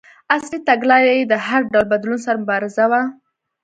اصلي تګلاره یې د هر ډول بدلون سره مبارزه وه.